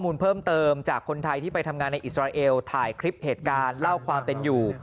ข้อมูลเพิ่มเติมจากคนไทยที่ไปทำงานในอิสราเอลถ่ายคลิปเหตุการณ์เล่าความเป็นอยู่